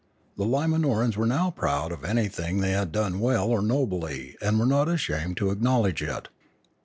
The Limanorans were now proud of anything they had done well or nobly and were not ashamed to acknowledge it.